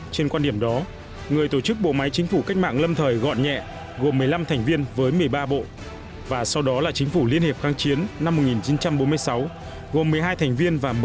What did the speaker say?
trên quan điểm đó người tổ chức bộ máy chính phủ cách mạng lâm thời gọn nhẹ gồm một mươi năm thành viên với một mươi ba bộ và sau đó là chính phủ liên hiệp kháng chiến năm một nghìn chín trăm bốn mươi sáu gồm một mươi hai thành viên và một mươi ba